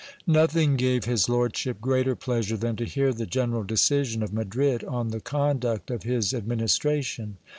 Nothing' gave his lordship greater pleasure than to hear the general decision of Madrid on the conduct of his administration.